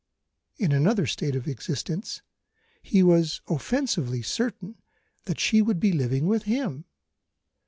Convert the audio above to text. In another state of existence, he was offensively certain that she would be living with _him.